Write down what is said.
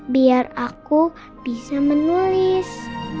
biar aku bisa menulis